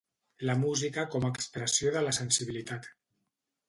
La música com a expressió de la sensibilitat.